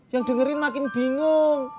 yang dengerin makin bingung